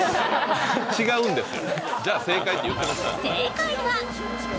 違うんですよ。